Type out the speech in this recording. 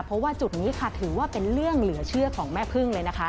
เพราะว่าจุดนี้ค่ะถือว่าเป็นเรื่องเหลือเชื่อของแม่พึ่งเลยนะคะ